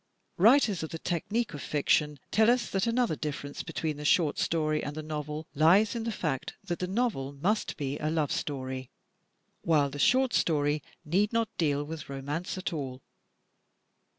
Writers of the technique of fiction tell us that another difference between the short story and the novel lies in the 282 THE TECHNIQUE OF THE MYSTERY STORY fact that the novel must be a love story, while the short story need not deal with romance at all.